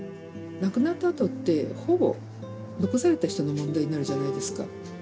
亡くなったあとってほぼ残された人の問題になるじゃないですか。